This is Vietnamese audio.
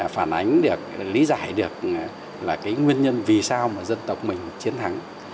phản ánh được lý giải được là cái nguyên nhân vì sao mà dân tộc mình chiến thắng